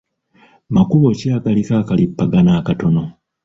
Makubo ki agaliko akalipagano akatono?